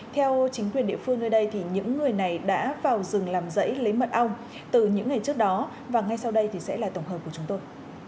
theo chính quyền địa phương nơi đây thì những người này đã vào rừng làm rẫy lấy mật ong từ những ngày trước đó và ngay sau đây thì sẽ là tổng hợp của chúng tôi